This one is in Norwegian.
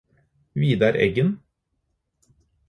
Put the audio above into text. Vidar Eggen